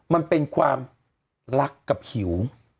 มันเป็นความรักกับหิว